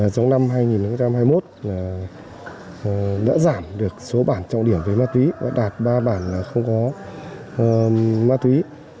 trong năm hai nghìn hai mươi một đã giảm được số bản trọng điểm về ma túy và đạt ba bản là không có ma túy